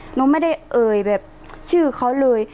หนูไม่ได้เอ่ยแบบชื่อเขาเลย